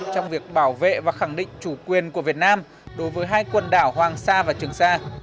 trong việc bảo vệ và khẳng định chủ quyền của việt nam đối với hai quần đảo hoàng sa và trường sa